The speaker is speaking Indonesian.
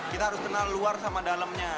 kita harus kenal luar sama dalamnya